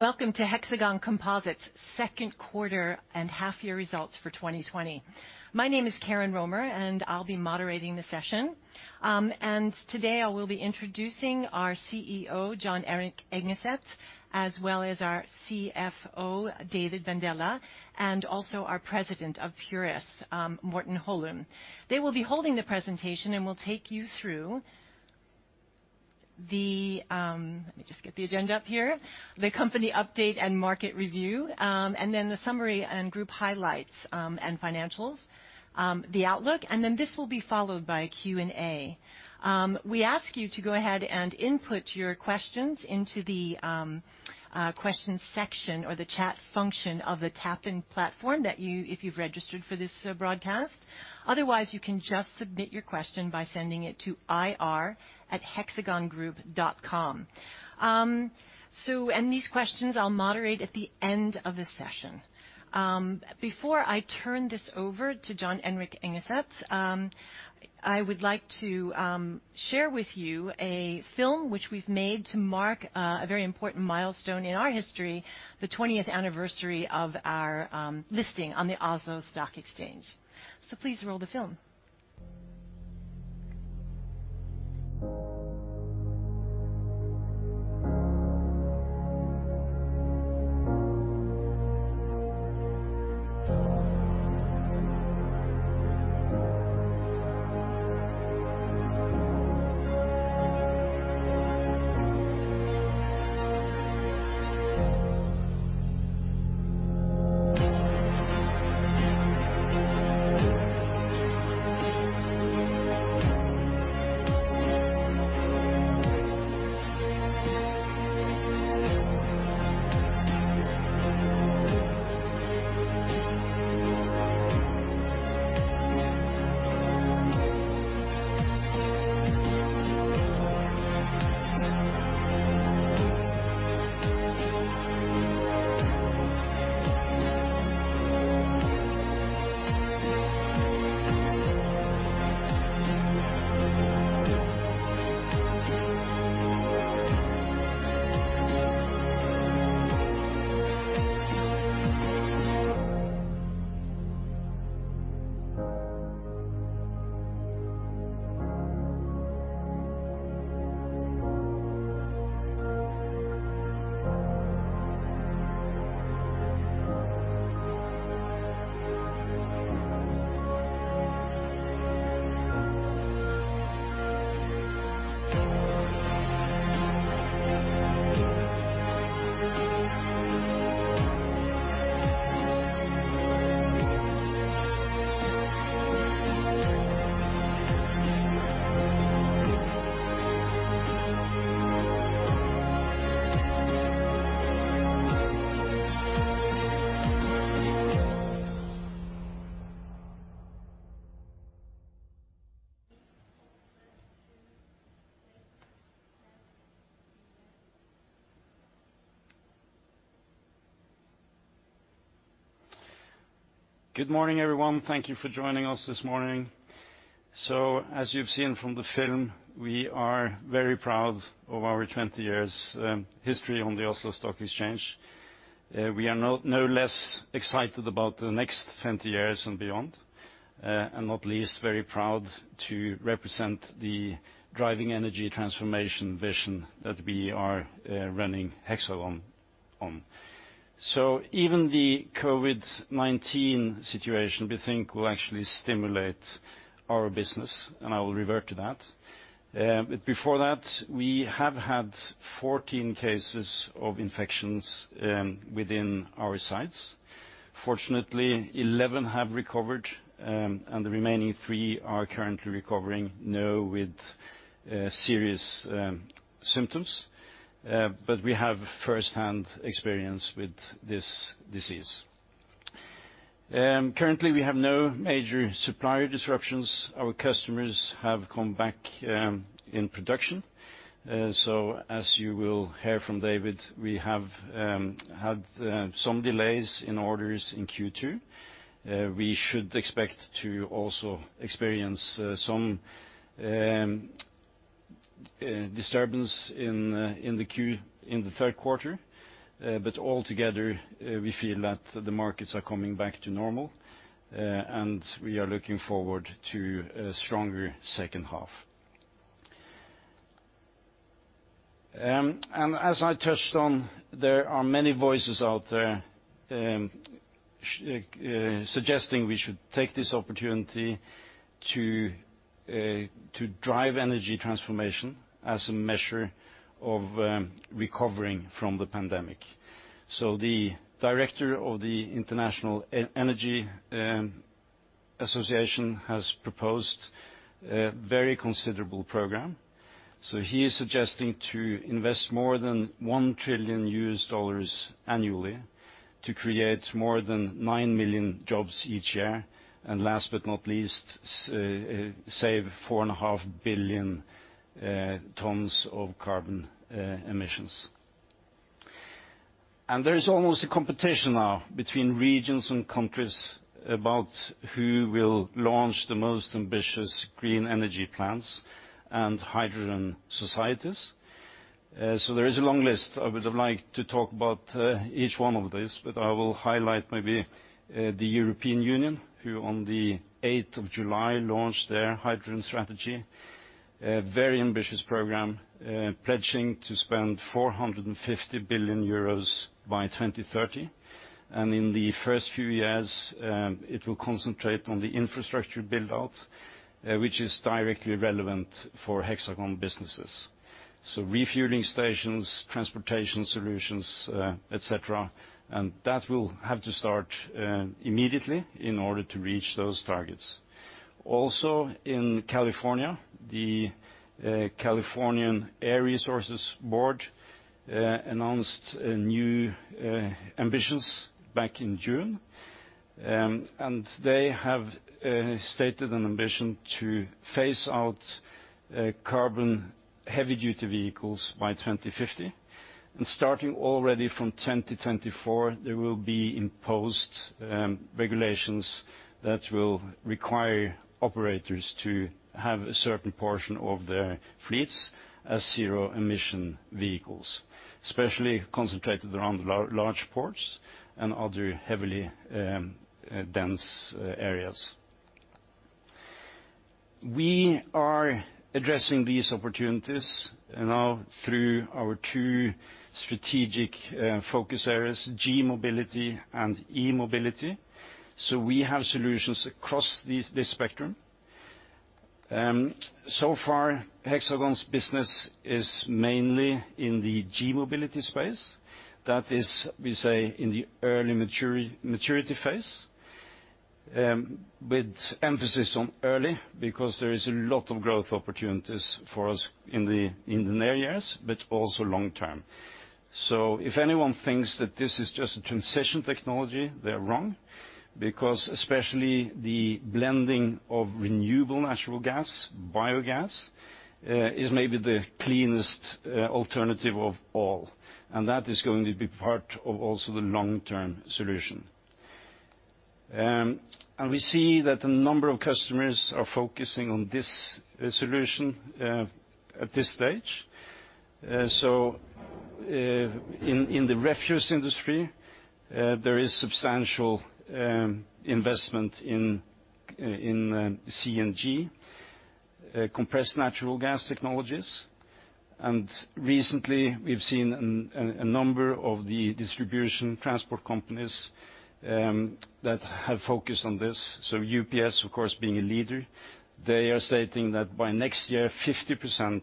Welcome to Hexagon Composites second quarter and half-year results for 2020. My name is Karen Romer, and I'll be moderating the session. Today I will be introducing our CEO, Jon-Erik Engeset, as well as our CFO, David Bandele, and also our President of Purus, Morten Holum. They will be holding the presentation and will take you through the agenda up here. The company update and market review, the summary and group highlights, and financials, the outlook, and this will be followed by a Q&A. We ask you to go ahead and input your questions into the questions section or the chat function of the TapIn platform, if you've registered for this broadcast. Otherwise, you can just submit your question by sending it to ir@hexagongroup.com. These questions I'll moderate at the end of the session. Before I turn this over to Jon-Erik Engeset, I would like to share with you a film which we've made to mark a very important milestone in our history, the 20th anniversary of our listing on the Oslo Stock Exchange. Please roll the film. Good morning, everyone. Thank you for joining us this morning. As you've seen from the film, we are very proud of our 20 years history on the Oslo Stock Exchange. We are no less excited about the next 20 years and beyond, and not least very proud to represent the driving energy transformation vision that we are running Hexagon on. Even the COVID-19 situation, we think will actually stimulate our business, and I will revert to that. Before that, we have had 14 cases of infections within our sites. Fortunately, 11 have recovered, and the remaining three are currently recovering, no with serious symptoms. We have first-hand experience with this disease. Currently, we have no major supplier disruptions. Our customers have come back in production. As you will hear from David, we have had some delays in orders in Q2. We should expect to also experience some disturbance in the third quarter. Altogether, we feel that the markets are coming back to normal, and we are looking forward to a stronger second half. As I touched on, there are many voices out there suggesting we should take this opportunity to drive energy transformation as a measure of recovering from the pandemic. The director of the International Energy Agency has proposed a very considerable program. He is suggesting to invest more than $1 trillion annually to create more than 9 million jobs each year. Last but not least, save 4.5 billion tons of carbon emissions. There's almost a competition now between regions and countries about who will launch the most ambitious green energy plans and hydrogen societies. I would have liked to talk about each one of these, but I will highlight maybe the European Union, who on the 8th of July launched their hydrogen strategy. A very ambitious program, pledging to spend 450 billion euros by 2030. In the first few years, it will concentrate on the infrastructure build-out, which is directly relevant for Hexagon businesses. Refueling stations, transportation solutions, et cetera. That will have to start immediately in order to reach those targets. Also, in California, the California Air Resources Board announced new ambitions back in June. They have stated an ambition to phase out carbon heavy-duty vehicles by 2050. Starting already from 2024, there will be imposed regulations that will require operators to have a certain portion of their fleets as zero-emission vehicles, especially concentrated around the large ports and other heavily dense areas. We are addressing these opportunities now through our two strategic focus areas, g-mobility and e-mobility. We have solutions across this spectrum. Far, Hexagon's business is mainly in the g-mobility space. That is, we say, in the early maturity phase, with emphasis on early, because there is a lot of growth opportunities for us in the near years, but also long term. If anyone thinks that this is just a transition technology, they're wrong because especially the blending of renewable natural gas, biogas, is maybe the cleanest alternative of all. That is going to be part of also the long-term solution. We see that a number of customers are focusing on this solution at this stage. In the refuse industry, there is substantial investment in CNG, Compressed Natural Gas technologies. Recently, we've seen a number of the distribution transport companies that have focused on this. UPS, of course, being a leader, they are stating that by next year, 50%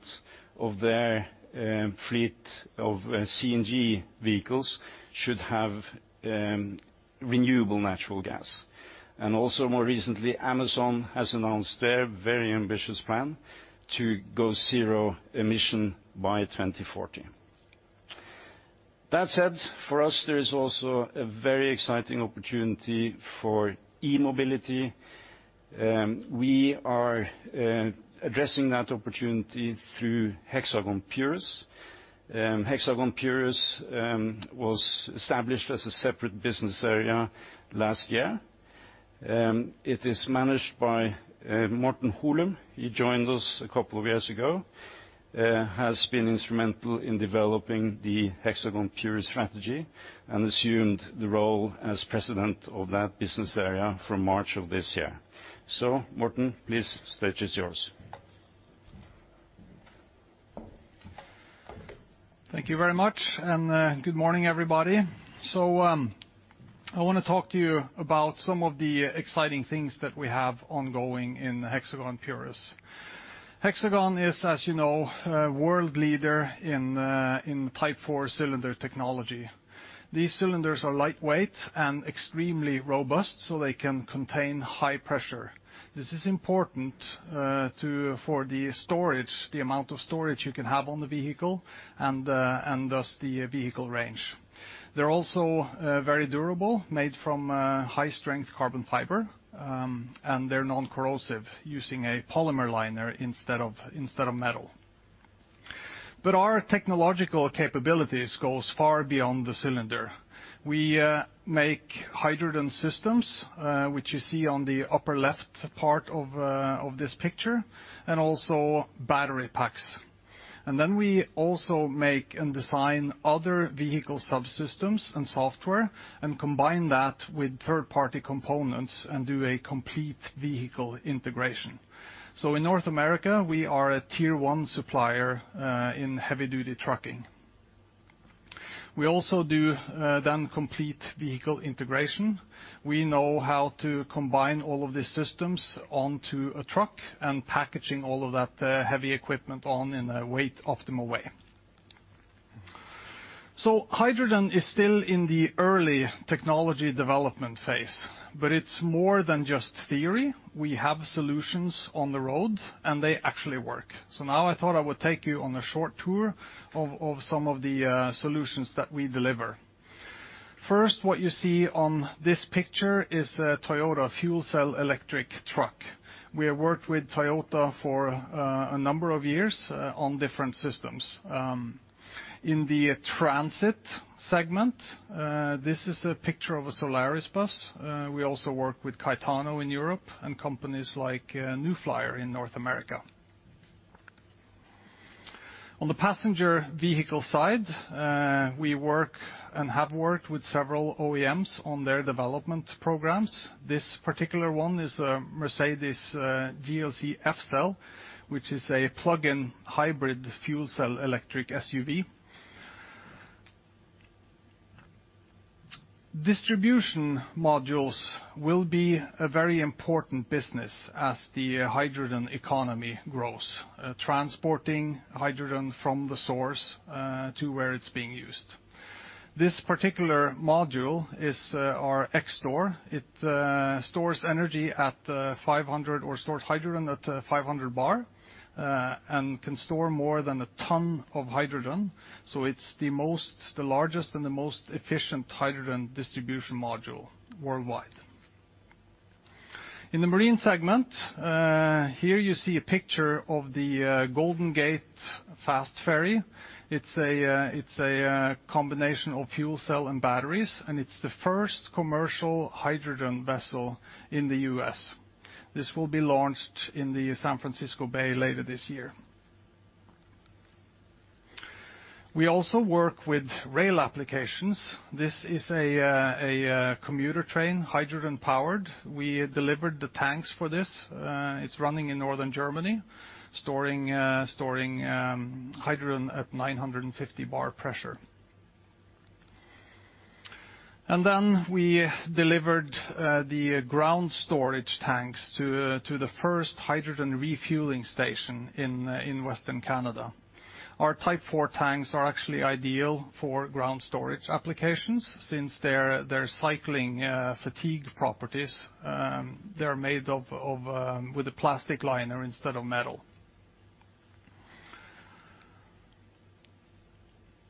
of their fleet of CNG vehicles should have renewable natural gas. Also more recently, Amazon has announced their very ambitious plan to go zero emission by 2040. That said, for us, there is also a very exciting opportunity for e-mobility. We are addressing that opportunity through Hexagon Purus. Hexagon Purus was established as a separate business area last year. It is managed by Morten Holum. He joined us a couple of years ago, has been instrumental in developing the Hexagon Purus strategy, and assumed the role as president of that business area from March of this year. Morten, please, stage is yours. Thank you very much, and good morning, everybody. I want to talk to you about some of the exciting things that we have ongoing in Hexagon Purus. Hexagon is, as you know, a world leader in Type IV cylinder technology. These cylinders are lightweight and extremely robust, so they can contain high pressure. This is important for the storage, the amount of storage you can have on the vehicle, and thus the vehicle range. They're also very durable, made from high-strength carbon fiber, and they're non-corrosive, using a polymer liner instead of metal. Our technological capabilities goes far beyond the cylinder. We make hydrogen systems, which you see on the upper left part of this picture, and also battery packs. Then we also make and design other vehicle subsystems and software and combine that with third-party components and do a complete vehicle integration. In North America, we are a Tier 1 supplier in heavy-duty trucking. We also do then complete vehicle integration. We know how to combine all of these systems onto a truck and packaging all of that heavy equipment on in a weight optimal way. Hydrogen is still in the early technology development phase, but it's more than just theory. We have solutions on the road, and they actually work. Now I thought I would take you on a short tour of some of the solutions that we deliver. First, what you see on this picture is a Toyota fuel cell electric truck. We have worked with Toyota for a number of years on different systems. In the transit segment, this is a picture of a Solaris bus. We also work with Caetano in Europe and companies like New Flyer in North America. On the passenger vehicle side, we work and have worked with several OEMs on their development programs. This particular one is a Mercedes-Benz GLC F-CELL, which is a plug-in hybrid fuel cell electric SUV. Distribution modules will be a very important business as the hydrogen economy grows, transporting hydrogen from the source to where it's being used. This particular module is our X-STORE. It stores energy at 500, or stores hydrogen at 500 bar, and can store more than one ton of hydrogen. It's the largest and the most efficient hydrogen distribution module worldwide. In the marine segment, here you see a picture of the Golden Gate Ferry. It's a combination of fuel cell and batteries, and it's the first commercial hydrogen vessel in the U.S. This will be launched in the San Francisco Bay later this year. We also work with rail applications. This is a commuter train, hydrogen-powered. We delivered the tanks for this. It's running in Northern Germany, storing hydrogen at 950 bar pressure. We delivered the ground storage tanks to the first hydrogen refueling station in Western Canada. Our Type 4 tanks are actually ideal for ground storage applications since their cycling fatigue properties, they are made with a plastic liner instead of metal.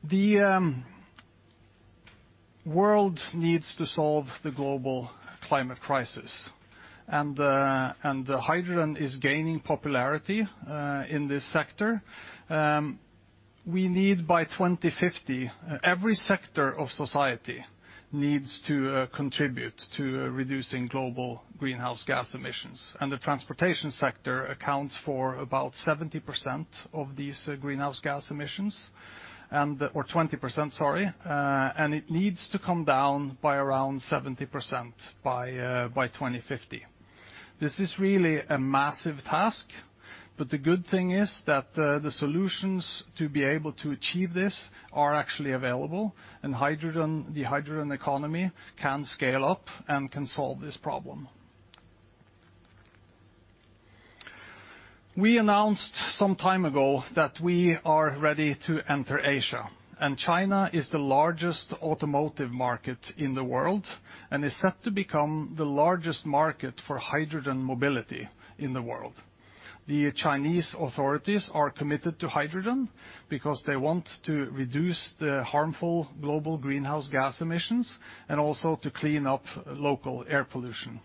The world needs to solve the global climate crisis, the hydrogen is gaining popularity in this sector. We need by 2050, every sector of society needs to contribute to reducing global greenhouse gas emissions, the transportation sector accounts for about 70% of these greenhouse gas emissions, or 20%, sorry. It needs to come down by around 70% by 2050. This is really a massive task, but the good thing is that the solutions to be able to achieve this are actually available, and the hydrogen economy can scale up and can solve this problem. We announced some time ago that we are ready to enter Asia, and China is the largest automotive market in the world and is set to become the largest market for hydrogen mobility in the world. The Chinese authorities are committed to hydrogen because they want to reduce the harmful global greenhouse gas emissions and also to clean up local air pollution.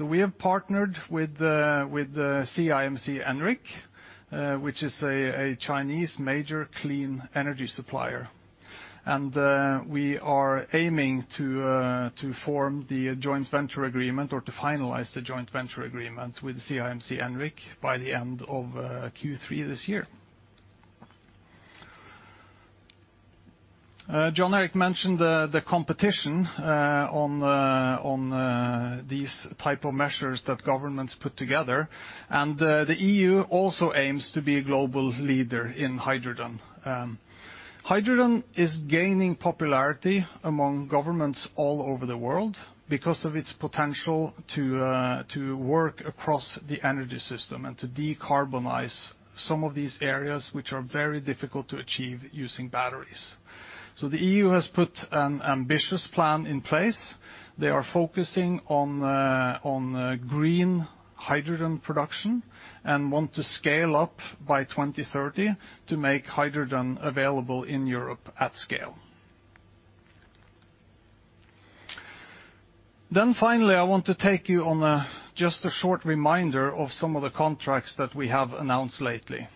We have partnered with the CIMC Enric, which is a Chinese major clean energy supplier. We are aiming to form the joint venture agreement or to finalize the joint venture agreement with CIMC Enric by the end of Q3 this year. Jon Erik mentioned the competition on these type of measures that governments put together, and the EU also aims to be a global leader in hydrogen. Hydrogen is gaining popularity among governments all over the world because of its potential to work across the energy system and to decarbonize some of these areas which are very difficult to achieve using batteries. The EU has put an ambitious plan in place. They are focusing on green hydrogen production and want to scale up by 2030 to make hydrogen available in Europe at scale. Finally, I want to take you on just a short reminder of some of the contracts that we have announced lately.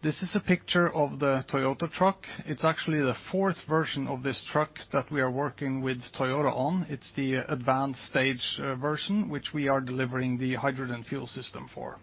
This is a picture of the Toyota truck. It's actually the fourth version of this truck that we are working with Toyota on. It's the advanced stage version, which we are delivering the hydrogen fuel system for.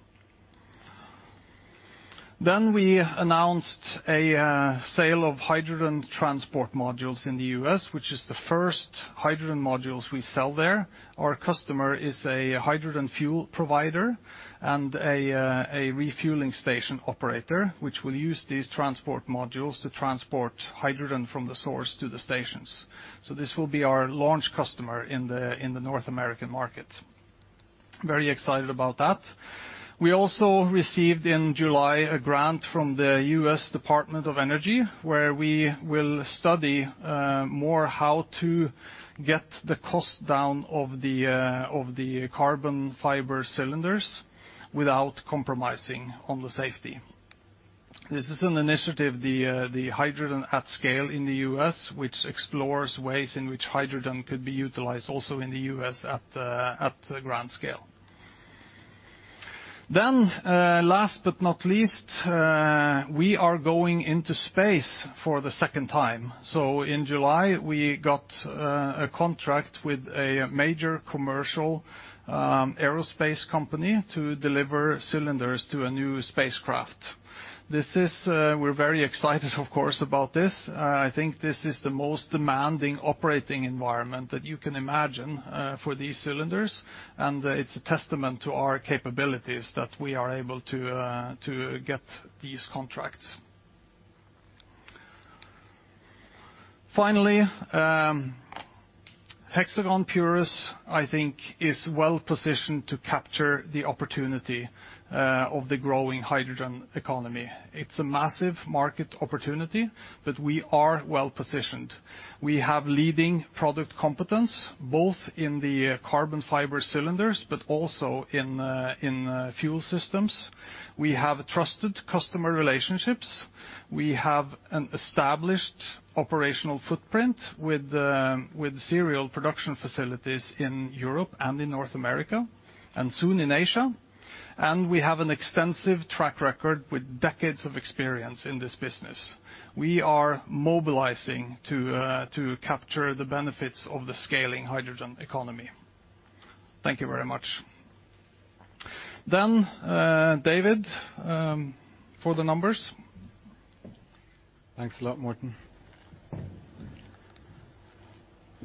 We announced a sale of hydrogen transport modules in the U.S., which is the first hydrogen modules we sell there. Our customer is a hydrogen fuel provider and a refueling station operator, which will use these transport modules to transport hydrogen from the source to the stations. This will be our launch customer in the North American market. Very excited about that. We also received in July a grant from the U.S. Department of Energy, where we will study more how to get the cost down of the carbon fiber cylinders without compromising on the safety. This is an initiative, the H2@Scale in the U.S., which explores ways in which hydrogen could be utilized also in the U.S. at the grand scale. Last but not least, we are going into space for the second time. In July, we got a contract with a major commercial aerospace company to deliver cylinders to a new spacecraft. We're very excited, of course, about this. I think this is the most demanding operating environment that you can imagine for these cylinders, and it's a testament to our capabilities that we are able to get these contracts. Finally, Hexagon Purus, I think is well-positioned to capture the opportunity of the growing hydrogen economy. It's a massive market opportunity, but we are well-positioned. We have leading product competence, both in the carbon fiber cylinders, but also in fuel systems. We have trusted customer relationships. We have an established operational footprint with serial production facilities in Europe and in North America, and soon in Asia. We have an extensive track record with decades of experience in this business. We are mobilizing to capture the benefits of the scaling hydrogen economy. Thank you very much. David, for the numbers. Thanks a lot, Morten.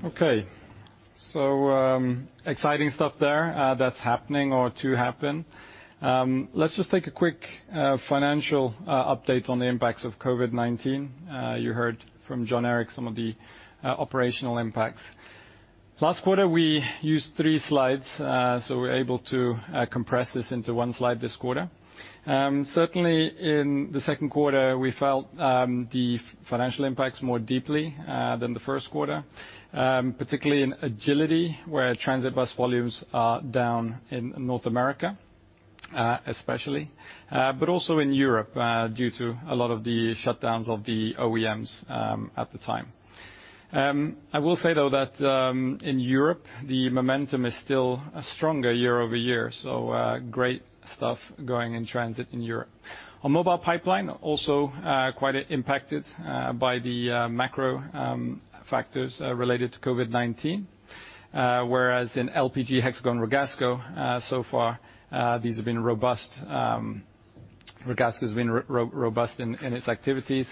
Okay. Exciting stuff there that's happening or to happen. Let's just take a quick financial update on the impacts of COVID-19. You heard from Jon Erik some of the operational impacts. Last quarter, we used three slides. We're able to compress this into one slide this quarter. Certainly, in the second quarter, we felt the financial impacts more deeply than the first quarter. Particularly in Agility, where transit bus volumes are down in North America, especially. Also in Europe, due to a lot of the shutdowns of the OEMs at the time. I will say, though, that in Europe, the momentum is still stronger YoY. Great stuff going in transit in Europe. On Mobile Pipeline, also quite impacted by the macro factors related to COVID-19. In LPG Hexagon Ragasco, so far these have been robust. Ragasco has been robust in its activities,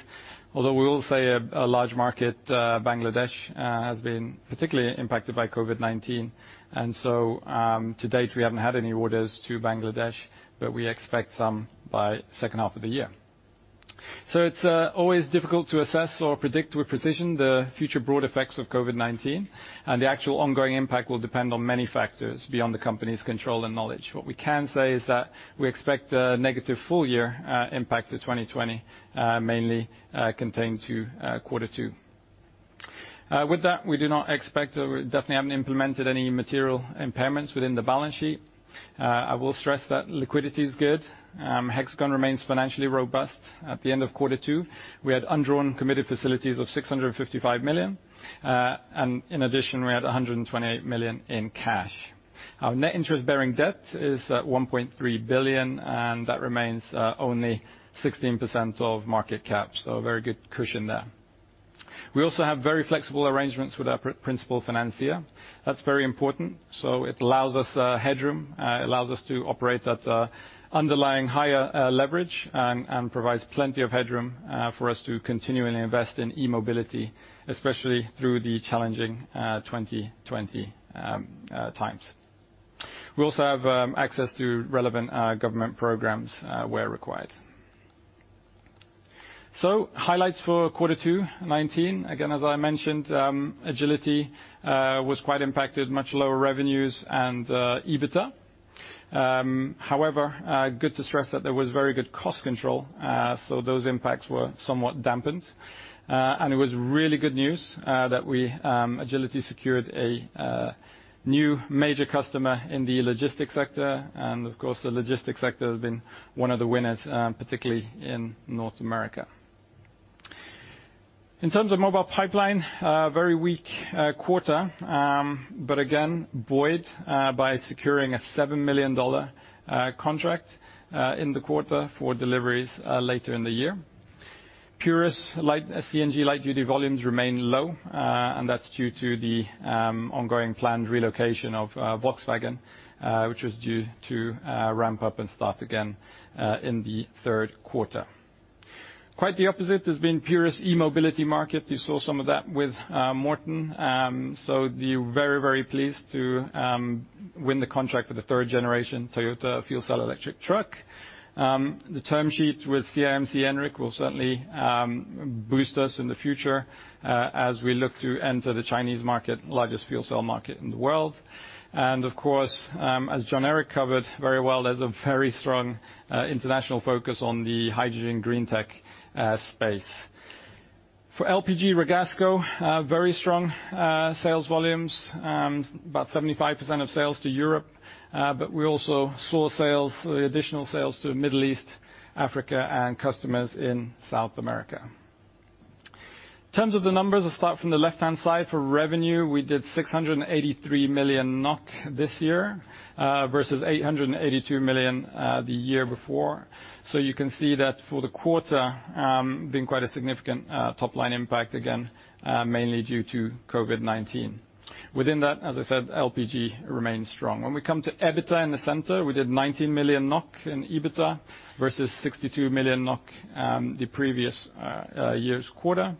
although we will say a large market, Bangladesh, has been particularly impacted by COVID-19. To date, we haven't had any orders to Bangladesh, but we expect some by second half of the year. It's always difficult to assess or predict with precision the future broad effects of COVID-19, and the actual ongoing impact will depend on many factors beyond the company's control and knowledge. What we can say is that we expect a negative full year impact to 2020, mainly contained to Q2. With that, we do not expect or definitely haven't implemented any material impairments within the balance sheet. I will stress that liquidity is good. Hexagon remains financially robust. At the end of Q2, we had undrawn committed facilities of 655 million. In addition, we had 128 million in cash. Our net interest-bearing debt is at 1.3 billion. That remains only 16% of market cap. A very good cushion there. We also have very flexible arrangements with our principal financier. That's very important. It allows us headroom, allows us to operate at underlying higher leverage and provides plenty of headroom for us to continually invest in e-mobility, especially through the challenging 2020 times. We also have access to relevant government programs where required. Highlights for Q2 2019. Again, as I mentioned, Agility was quite impacted, much lower revenues and EBITDA. However, good to stress that there was very good cost control, so those impacts were somewhat dampened. It was really good news that Agility secured a new major customer in the logistics sector. Of course, the logistics sector has been one of the winners, particularly in North America. In terms of Mobile Pipeline, a very weak quarter. Again, buoyed by securing a NOK 7 million contract in the quarter for deliveries later in the year. Purus CNG light-duty volumes remain low, and that's due to the ongoing planned relocation of Volkswagen, which was due to ramp up and start again in the third quarter. Quite the opposite has been Purus e-mobility market. You saw some of that with Morten. We're very pleased to win the contract for the third-generation Toyota fuel cell electric truck. The term sheet with CIMC Enric will certainly boost us in the future as we look to enter the Chinese market, largest fuel cell market in the world. Of course, as Jon Erik covered very well, there's a very strong international focus on the hydrogen green tech space. LPG Ragasco, very strong sales volumes, about 75% of sales to Europe, but we also saw additional sales to Middle East, Africa, and customers in South America. In terms of the numbers, let's start from the left-hand side. For revenue, we did 683 million NOK this year versus 882 million the year before. You can see that for the quarter, been quite a significant top-line impact again mainly due to COVID-19. Within that, as I said, LPG remains strong. When we come to EBITDA in the center, we did 19 million NOK in EBITDA versus 62 million NOK the previous year's quarter.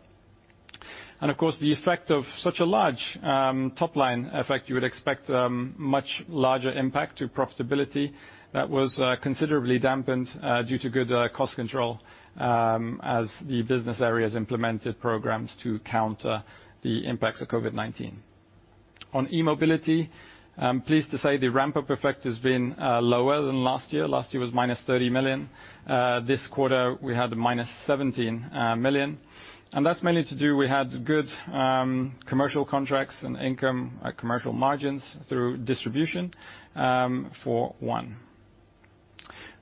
Of course, the effect of such a large top-line effect, you would expect much larger impact to profitability. That was considerably dampened due to good cost control as the business areas implemented programs to counter the impacts of COVID-19. On E-mobility, I'm pleased to say the ramp-up effect has been lower than last year. Last year was -30 million. This quarter, we had -17 million. That's mainly to do, we had good commercial contracts and income at commercial margins through distribution for one.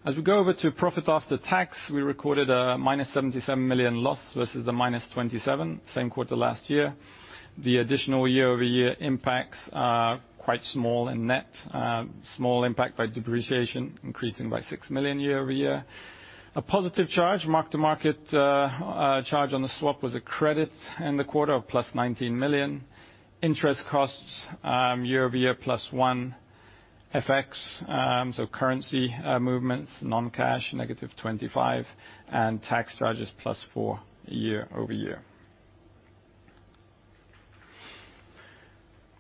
As we go over to profit after tax, we recorded a -77 million loss versus the -27 same quarter last year. The additional YoY impacts are quite small in net. Small impact by depreciation, increasing by 6 million YoY. A positive charge, mark-to-market charge on the swap was a credit in the quarter of +19 million. Interest costs YoY +1. FX, currency movements non-cash -25, tax charges +4 YoY.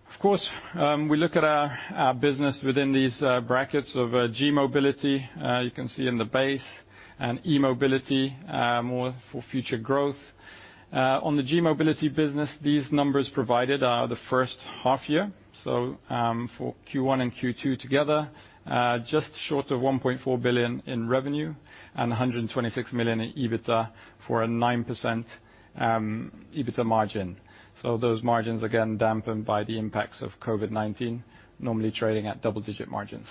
Of course, we look at our business within these brackets of G-mobility, you can see in the base, and e-mobility more for future growth. On the G-mobility business, these numbers provided are the first half year. For Q1 and Q2 together, just short of 1.4 billion in revenue and 126 million in EBITDA for a 9% EBITDA margin. Those margins, again dampened by the impacts of COVID-19, normally trading at double-digit margins.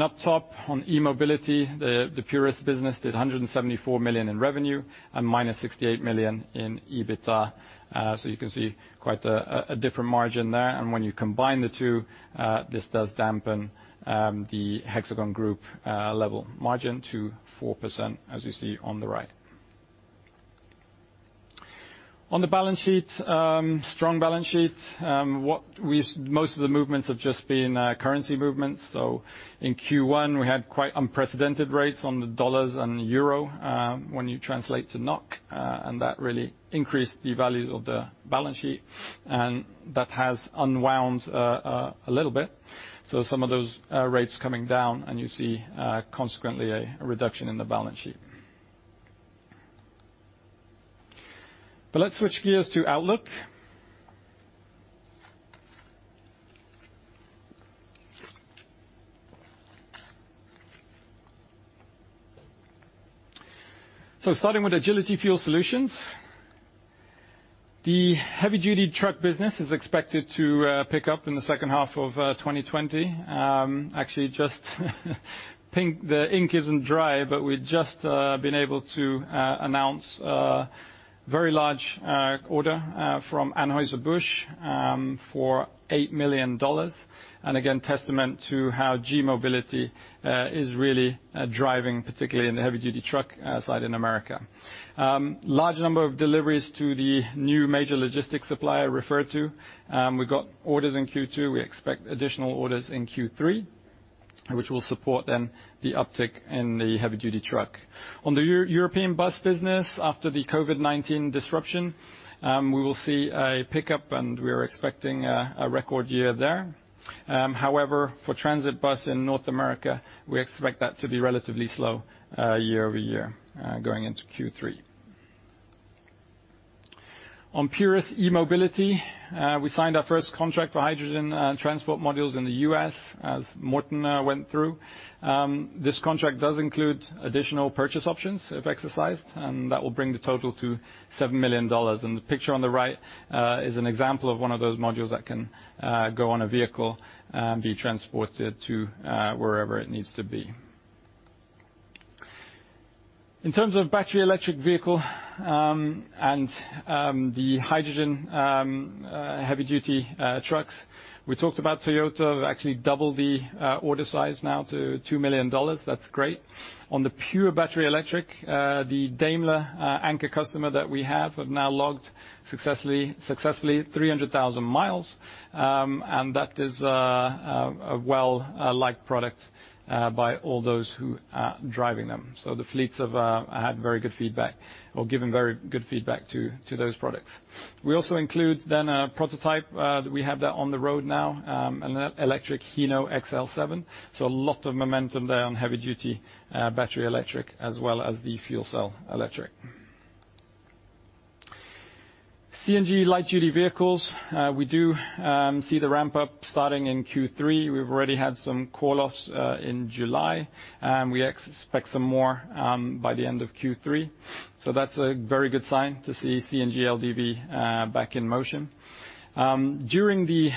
Up top on e-mobility, the Purus business did 174 million in revenue and minus 68 million in EBITDA. You can see quite a different margin there. When you combine the two, this does dampen the Hexagon group level margin to 4%, as you see on the right. On the balance sheet, strong balance sheet. Most of the movements have just been currency movements. In Q1, we had quite unprecedented rates on the dollars and the euro when you translate to NOK, and that really increased the values of the balance sheet. That has unwound a little bit. Some of those rates coming down, and you see consequently a reduction in the balance sheet. Let's switch gears to outlook. Starting with Agility Fuel Solutions, the heavy-duty truck business is expected to pick up in the second half of 2020. Actually just the ink isn't dry, but we've just been able to announce a very large order from Anheuser-Busch for $8 million. Again, testament to how g-mobility is really driving, particularly in the heavy-duty truck side in America. Large number of deliveries to the new major logistics supplier referred to. We got orders in Q2. We expect additional orders in Q3, which will support then the uptick in the heavy-duty truck. On the European bus business, after the COVID-19 disruption, we will see a pickup, and we are expecting a record year there. However, for transit bus in North America, we expect that to be relatively slow YoY going into Q3. On Purus e-mobility, we signed our first contract for hydrogen transport modules in the U.S. as Morten went through. This contract does include additional purchase options if exercised, and that will bring the total to NOK 7 million. The picture on the right is an example of one of those modules that can go on a vehicle and be transported to wherever it needs to be. In terms of battery electric vehicle and the hydrogen heavy-duty trucks, we talked about Toyota have actually doubled the order size now to NOK 2 million. That's great. On the pure battery electric, the Daimler anchor customer that we have have now logged successfully 300,000 miles. That is a well-liked product by all those who are driving them. The fleets have had very good feedback or given very good feedback to those products. We also include then a prototype that we have that on the road now, an electric Hino XL7. A lot of momentum there on heavy duty battery electric as well as the fuel cell electric. CNG light duty vehicles. We do see the ramp-up starting in Q3. We've already had some call-offs in July, and we expect some more by the end of Q3. That's a very good sign to see CNG LDV back in motion. During the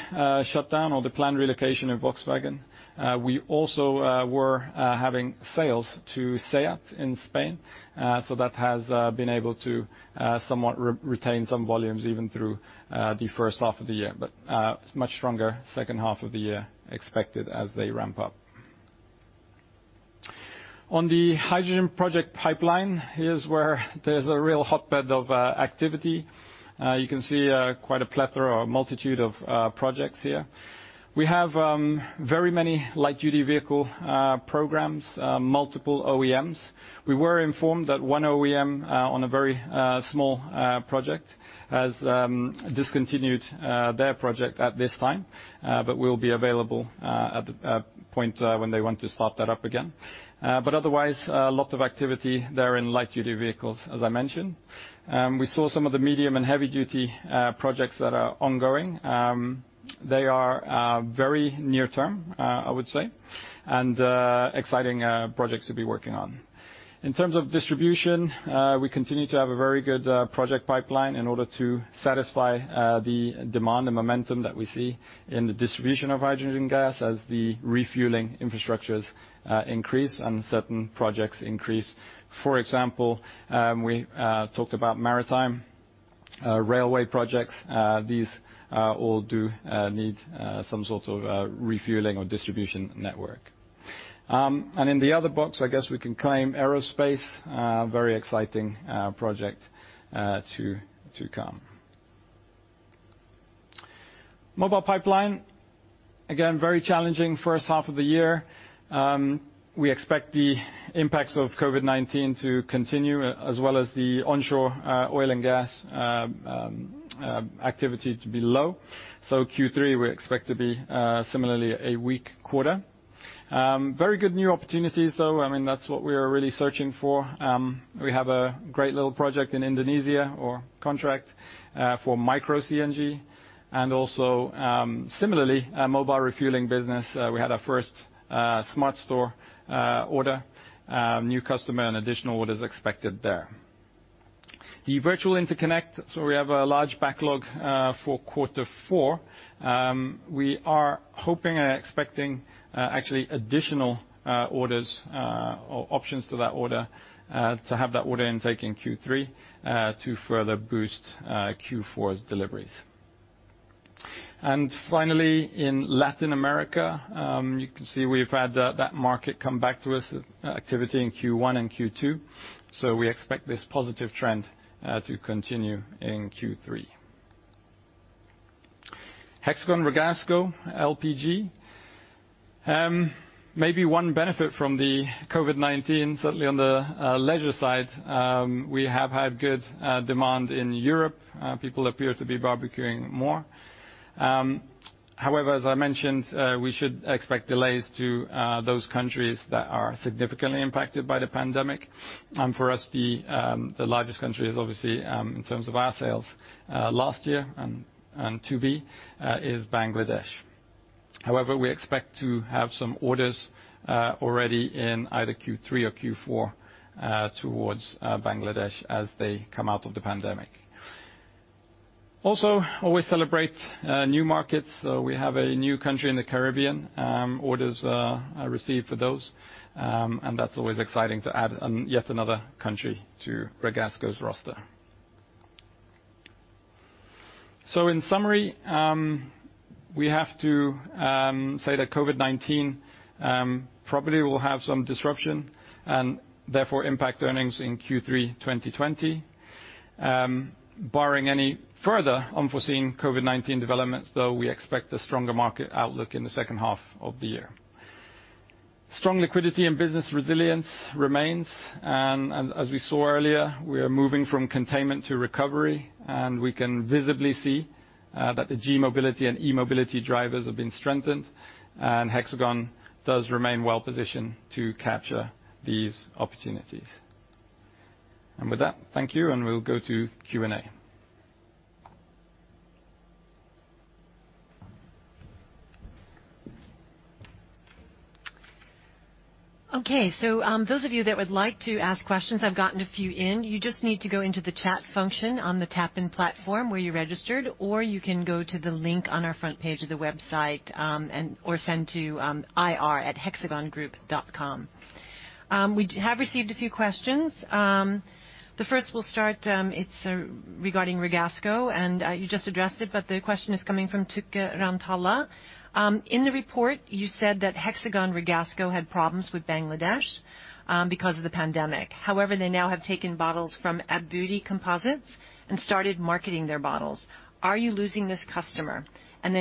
shutdown or the planned relocation of Volkswagen, we also were having sales to SEAT in Spain. That has been able to somewhat retain some volumes even through the first half of the year. Much stronger second half of the year expected as they ramp up. On the hydrogen project pipeline, here's where there's a real hotbed of activity. You can see quite a plethora or a multitude of projects here. We have very many light-duty vehicle programs, multiple OEMs. We were informed that one OEM on a very small project has discontinued their project at this time, but we'll be available at a point when they want to start that up again. Otherwise, a lot of activity there in light-duty vehicles, as I mentioned. We saw some of the medium and heavy-duty projects that are ongoing. They are very near term, I would say. Exciting projects to be working on. In terms of distribution, we continue to have a very good project pipeline in order to satisfy the demand and momentum that we see in the distribution of hydrogen gas as the refueling infrastructures increase and certain projects increase. For example, we talked about maritime railway projects. These all do need some sort of refueling or distribution network. In the other box, I guess we can claim aerospace, very exciting project to come. Mobile Pipeline, again, very challenging first half of the year. We expect the impacts of COVID-19 to continue as well as the onshore oil and gas activity to be low. Q3 we expect to be similarly a weak quarter. Very good new opportunities, though. I mean, that's what we are really searching for. We have a great little project in Indonesia or contract, for micro CNG and also, similarly, mobile refueling business. We had our first SMARTSTORE order. New customer and additional orders expected there. The Virtual Interconnect, we have a large backlog for Q4. We are hoping and expecting actually additional orders or options to that order to have that order intake in Q3 to further boost Q4's deliveries. Finally, in Latin America, you can see we've had that market come back to us with activity in Q1 and Q2. We expect this positive trend to continue in Q3. Hexagon Ragasco LPG. Maybe one benefit from the COVID-19, certainly on the leisure side, we have had good demand in Europe. People appear to be barbecuing more. However, as I mentioned, we should expect delays to those countries that are significantly impacted by the pandemic. For us, the largest country is obviously, in terms of our sales last year and to-be, is Bangladesh. However, we expect to have some orders already in either Q3 or Q4 towards Bangladesh as they come out of the pandemic. Also, always celebrate new markets. We have a new country in the Caribbean. Orders are received for those, and that's always exciting to add yet another country to Ragasco's roster. In summary, we have to say that COVID-19 probably will have some disruption and therefore impact earnings in Q3 2020. Barring any further unforeseen COVID-19 developments, though, we expect a stronger market outlook in the second half of the year. Strong liquidity and business resilience remains, and as we saw earlier, we are moving from containment to recovery, and we can visibly see that the g-mobility and e-mobility drivers have been strengthened. Hexagon does remain well-positioned to capture these opportunities. With that, thank you, and we'll go to Q&A. Okay. Those of you that would like to ask questions, I've gotten a few in. You just need to go into the chat function on the TapIn platform where you registered, or you can go to the link on our front page of the website, or send to ir@hexagoncomposites.com. We have received a few questions. The first we'll start, it's regarding Ragasco, and you just addressed it, but the question is coming from Tuk Erantala. In the report, you said that Hexagon Ragasco had problems with Bangladesh because of the pandemic. However, they now have taken bottles from Aburi Composites and started marketing their bottles. Are you losing this customer?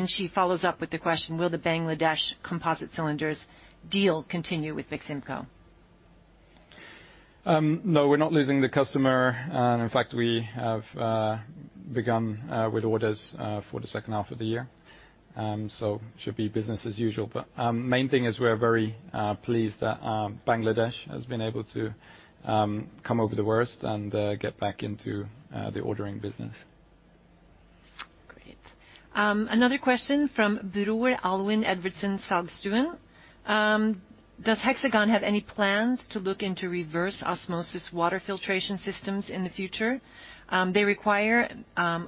She follows up with the question: Will the Bangladesh Composite Cylinders deal continue with Beximco? No, we're not losing the customer. In fact, we have begun with orders for the second half of the year. Should be business as usual. Main thing is we're very pleased that Bangladesh has been able to come over the worst and get back into the ordering business. Great. Another question from Buru Alvin Edwards Sagstuen. Does Hexagon have any plans to look into reverse osmosis water filtration systems in the future? They require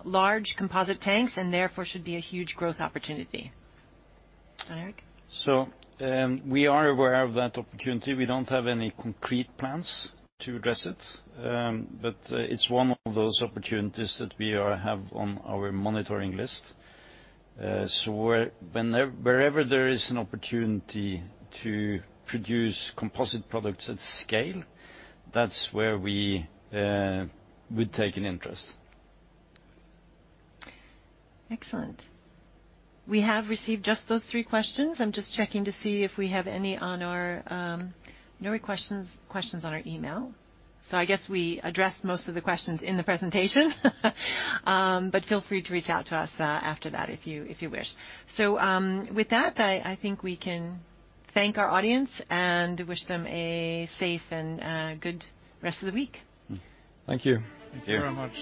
large composite tanks and therefore should be a huge growth opportunity. Erik? We are aware of that opportunity. We don't have any concrete plans to address it. It's one of those opportunities that we have on our monitoring list. Wherever there is an opportunity to produce composite products at scale, that's where we would take an interest. Excellent. We have received just those three questions. I am just checking to see if we have any questions on our email. I guess we addressed most of the questions in the presentation. Feel free to reach out to us after that if you wish. With that, I think we can thank our audience and wish them a safe and good rest of the week. Thank you. Thank you very much.